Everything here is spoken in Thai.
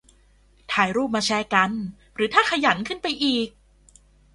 ถ่ายรูปมาแชร์กัน - หรือถ้าขยันขึ้นไปอีก